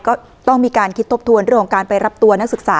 ก็ต้องมีการคิดทบทวนเรื่องของการไปรับตัวนักศึกษา